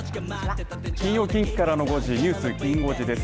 金曜近畿からの５時ニュースきん５時です。